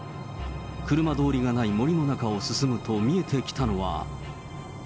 車通りがない森の中を進むと見えてきたのは。